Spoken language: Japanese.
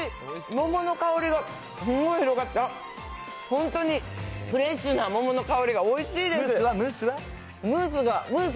桃の香りがすごい広がって、あっ、本当にフレッシュな桃の香りがムース？